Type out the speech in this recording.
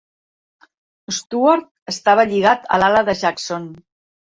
Stuart estava lligat a l'ala de Jackson.